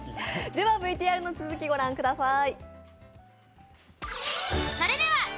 ＶＴＲの続きご覧ください。